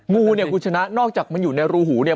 งูเนี่ยคุณชนะนอกจากมันอยู่ในรูหูเนี่ย